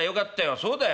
そうだよ